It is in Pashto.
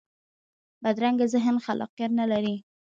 بدرنګه ذهن خلاقیت نه لري